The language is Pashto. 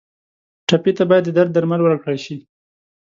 ټپي ته باید د درد درمل ورکړل شي.